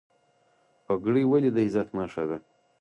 پګړۍ ولې د عزت نښه ده؟